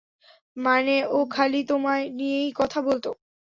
মানে, ও খালি তোমায় - নিয়েই কথা বলতো।